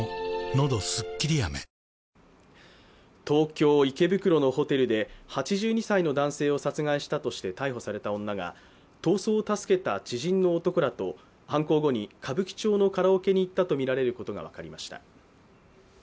東京・池袋のホテルで８２歳の男性を殺害したとして逮捕された女が逃走を助けた知人の男らと、犯行後に歌舞伎町のカラオケに行ったとみられることが分かりました。